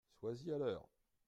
Sois-y à l’heure !